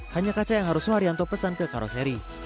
hanya kaca yang harus suharyanto pesan ke karoseri